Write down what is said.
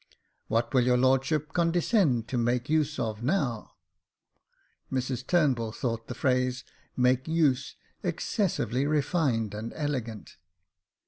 What will your lordship condescend to niake use of now ?" (Mrs Turnbull thought the phrase, make use, excessively refined and elegant.)